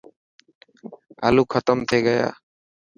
آلو ختم ٿي گيا هي.